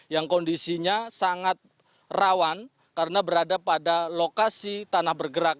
yang kondisinya sangat rawan karena berada pada lokasi tanah bergerak